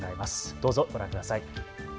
どうぞご覧ください。